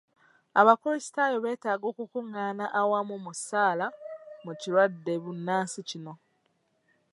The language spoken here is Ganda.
Abakulisitaayo beetaaga okukungaana awamu mu ssaala mu kirwadde bbunansi kino.